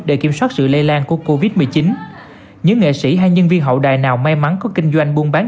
dài lan của covid một mươi chín những nghệ sĩ hay nhân viên hậu đài nào may mắn có kinh doanh buôn bán